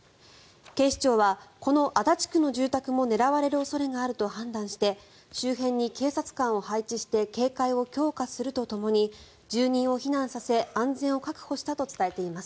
警視庁はこの足立区の住宅も狙われる恐れがあると判断して周辺に警察官を配置して警戒を強化するとともに住人を避難させ安全を確保したと伝えています。